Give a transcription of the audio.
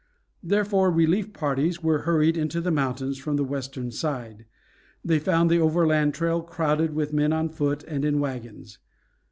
Therefore relief parties were hurried into the mountains from the western side. They found the overland trail crowded with men on foot and in wagons.